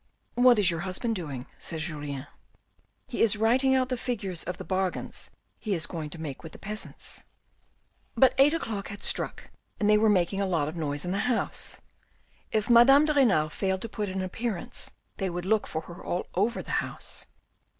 " What is your husband doing ?" said Julien. " He is writing out the figures of the bargains he is going to make with the peasants." But eight o'clock had struck and they were making a lot of noise in the house. If Madame de Renal failed to put in an appearance, they would look for her all over the house.